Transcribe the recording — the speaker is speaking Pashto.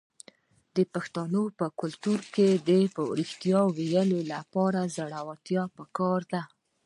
د پښتنو په کلتور کې د ریښتیا ویلو لپاره زړورتیا پکار ده.